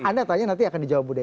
anda tanya nanti akan dijawab budaya